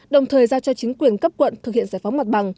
đồng thời giao cho chính quyền cấp quận thực hiện giải phóng mặt bằng